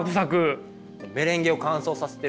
メレンゲを乾燥させてるんですよ。